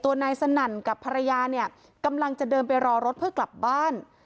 นายสนั่นกับภรรยาเนี่ยกำลังจะเดินไปรอรถเพื่อกลับบ้าน